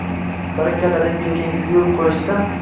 barakalla deb yelkangizga urib qo‘yishsa